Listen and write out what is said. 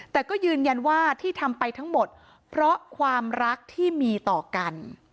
แต่ก็ยืนยันว่าที่ทำไปทั้งหมดเพราะความรักที่มีต่อกัน